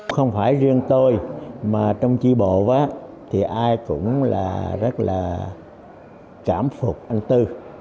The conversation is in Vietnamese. không phải riêng tôi mà trong chi bộ thì ai cũng là rất là cảm phục anh tư